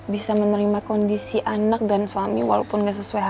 bisa menerima kondisi anak dan suami walaupun gak sesuai harapan